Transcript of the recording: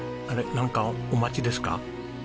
なんかお待ちですか？